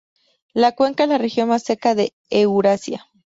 La cuenca es la región más seca de Eurasia.